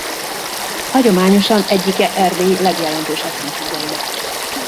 Hagyományosan egyike Erdély legjelentősebb színházainak.